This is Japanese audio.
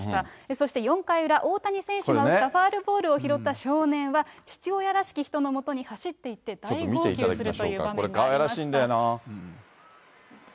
そして４回裏、大谷選手が打ったファウルボールを拾った少年は、父親らしき人のもとに走っていって大号泣するという場面がありまこれ、かわいらしいんだよな。